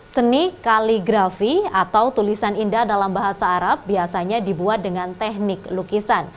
seni kaligrafi atau tulisan indah dalam bahasa arab biasanya dibuat dengan teknik lukisan